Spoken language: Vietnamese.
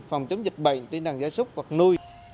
phòng chống dịch bệnh tiên đàng do súc hoặc nuôi